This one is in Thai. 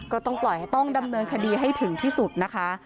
ก็ต้องปล่อยต้องดำเนินคดีให้ถึงที่สุดนะคะ